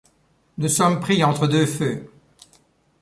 Nous sommes pris entre deux feux…